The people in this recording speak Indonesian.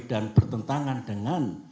dan bertentangan dengan